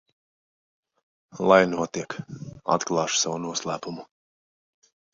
Lai notiek, atklāšu savu noslēpumu.